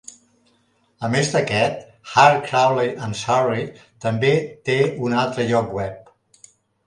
A més d'aquest Heart Crawley and Surrey, també té un altre lloc web.